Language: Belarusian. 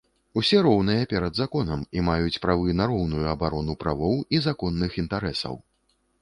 Усе роўныя перад законам і маюць правы на роўную абарону правоў і законных інтарэсаў.